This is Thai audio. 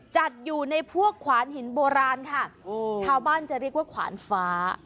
จัดอยู่ในพวกขวานหินโบราณค่ะโอ้ชาวบ้านจะเรียกว่าขวานฟ้า